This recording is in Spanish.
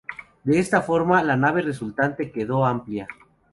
De esta forma la nave resultante quedó amplia.